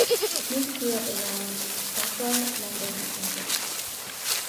Smith grew up around Stockwell, London, England.